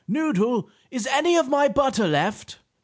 Noodle! Is any of my butter left?"